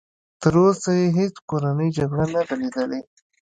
تر اوسه یې هېڅ کورنۍ جګړه نه ده لیدلې.